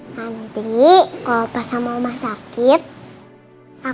nanti kalau opa sama oma sakit aku akan jadi dokternya